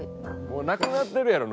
もうなくなってるやろ！